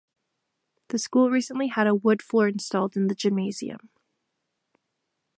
The school recently had a wood floor installed in the gymnasium.